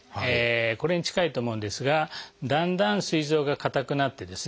これに近いと思うんですがだんだんすい臓が硬くなってですね